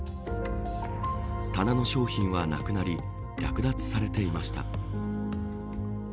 棚の商品はなくなり略奪されていました。